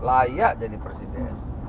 layak jadi presiden